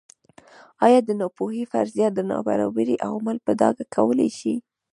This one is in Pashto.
ایا د ناپوهۍ فرضیه د نابرابرۍ عوامل په ډاګه کولای شي.